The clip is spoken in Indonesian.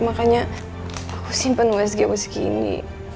makanya aku simpen wsg begini